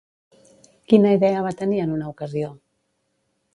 Quina idea va tenir en una ocasió?